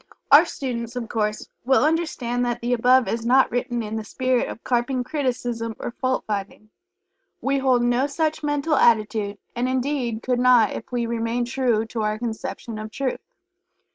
Our students, of course, will understand that the above is not written in the spirit of carping criticism or fault finding. We hold no such mental attitude, and indeed could not if we remain true to our conception of Truth.